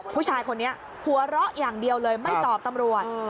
ผู้ชายคนนี้หัวเราะอย่างเดียวเลยไม่ตอบตำรวจ